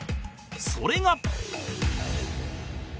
それが